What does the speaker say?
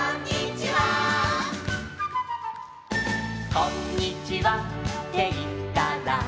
「『こんにちは』っていったら」